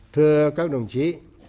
thưa các đồng chí